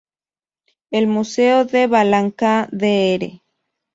El museo de Balancán "Dr.